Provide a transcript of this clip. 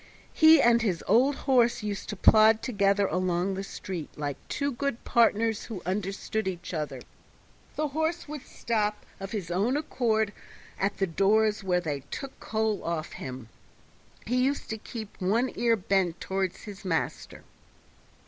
He and his old horse used to plod together along the street, like two good partners who understood each other; the horse would stop of his own accord at the doors where they took coal of him; he used to keep one ear bent toward his master.